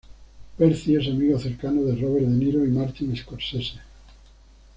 Pesci es amigo cercano de Robert De Niro y Martin Scorsese.